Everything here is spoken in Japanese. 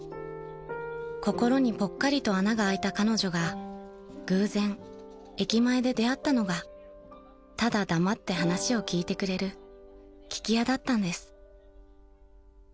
［心にぽっかりと穴があいた彼女が偶然駅前で出会ったのがただ黙って話を聞いてくれる聞き屋だったんです］